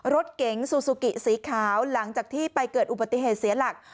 รถเก๋งซูซูกิสีขาวหลังจากที่ไปเกิดอุบัติเหตุเสียหลัก